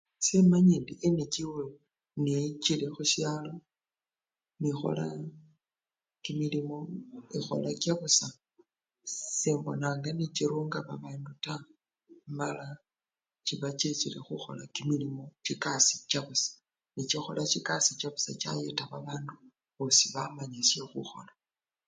Ese emanya indi NGO neyichile khusyalo, nekhola kimilimo, ekhola kyabusa, sembonanga nechirunga babandu taa mala chiba chechile khukhola kimilimo! chikasii chabusa.chikhola chikasi chabusa chayeta babandu bamanya sye khukhola.